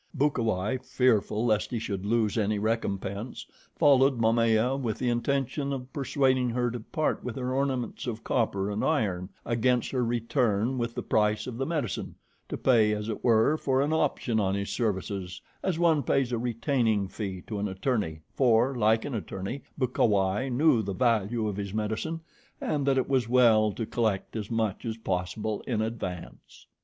Bukawai, fearful lest he should lose any recompense, followed Momaya with the intention of persuading her to part with her ornaments of copper and iron against her return with the price of the medicine to pay, as it were, for an option on his services as one pays a retaining fee to an attorney, for, like an attorney, Bukawai knew the value of his medicine and that it was well to collect as much as possible in advance.